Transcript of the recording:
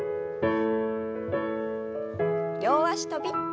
両脚跳び。